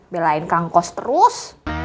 belain kangkos terus